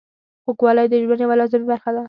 خوږوالی د ژوند یوه لازمي برخه ده.